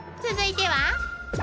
［続いては］